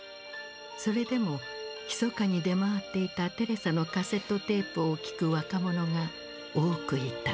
それでもひそかに出回っていたテレサのカセットテープを聴く若者が多くいた。